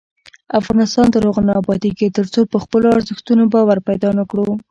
افغانستان تر هغو نه ابادیږي، ترڅو په خپلو ارزښتونو باور پیدا نکړو.